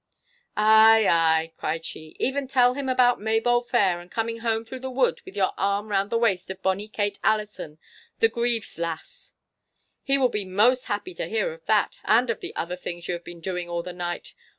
'Ay, ay,' cried she, 'even tell him about Maybole fair, and coming home through the wood with your arm round the waist of bonny Kate Allison, the Grieve's lass! He will be most happy to hear of that, and of the other things you have been doing all the night.